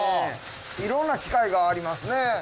いろんな機械がありますね。